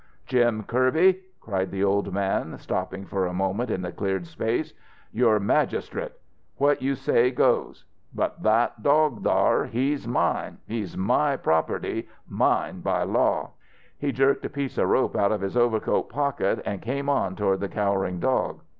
"Jim Kirby!" cried the old man, stopping for a moment in the cleared space. "You're magistrate. What you say goes. But that dog thar he's mine! He's my property mine by law!" He jerked a piece of rope out of his overcoat pocket and came on toward the cowering dog.